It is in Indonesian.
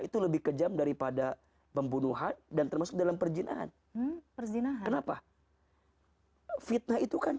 itu lebih kejam daripada pembunuhan dan termasuk dalam perjinaan perzinaan kenapa fitnah itu kan